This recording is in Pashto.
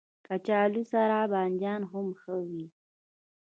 کچالو سره بانجان هم ښه وي